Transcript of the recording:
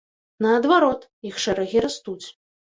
Наадварот, іх шэрагі растуць.